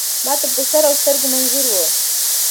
ما ته په سر اوسترګو منظور وه .